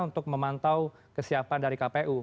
untuk memantau kesiapan dari kpu